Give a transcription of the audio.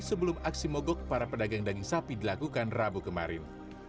sebelum aksi mogok para pedagang daging sapi dilakukan rabu kemarin